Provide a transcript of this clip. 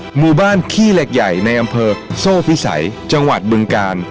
หมู่บ้านขี้เหล็กใหญ่ในอำเภอโซ่พิสัยจังหวัดบึงกาล